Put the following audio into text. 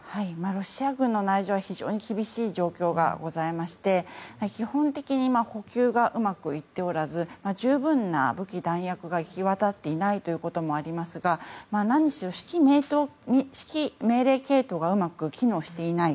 ロシア軍の内情は非常に厳しい状況がございまして基本的に補給がうまくいっておらず十分な武器、弾薬が行き渡っていないということもありますがなんにしろ指揮命令系統がうまく機能していない。